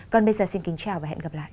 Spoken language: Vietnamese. còn bây giờ xin kính chào và hẹn gặp lại